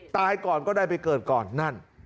ตายก่อนก็ได้ไปเกิดก่อนนั่น